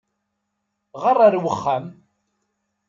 Ɣeṛ ar wexxam!